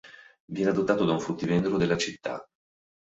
Viene adottato da un fruttivendolo della città.